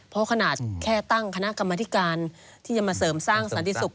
เพราะขนาดแค่ตั้งคณะกรรมธิการที่จะมาเสริมสร้างสันติสุข